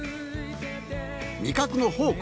味覚の宝庫